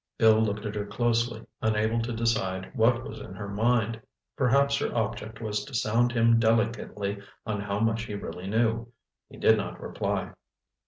Bill looked at her closely, unable to decide what was in her mind. Perhaps her object was to sound him delicately on how much he really knew. He did not reply.